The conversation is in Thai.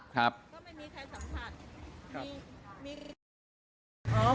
ก็ไม่มีใครสัมผัส